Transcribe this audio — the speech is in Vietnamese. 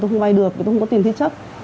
tôi không vay được vì tôi không có tiền thế chấp